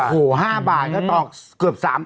โอ้โห๕บาทแล้วก็ต่อเกือบ๓